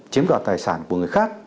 chiếm đoạt tài sản của người khác